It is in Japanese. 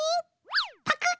パクッ！